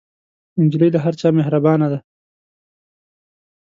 نجلۍ له هر چا مهربانه ده.